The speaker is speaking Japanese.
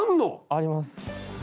あります。